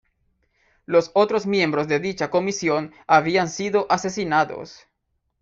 Los otros miembros de dicha comisión habían sido asesinados.